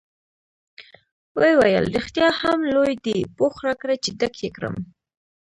ویې ویل: رښتیا هم لوی دی، پوښ راکړه چې ډک یې کړم.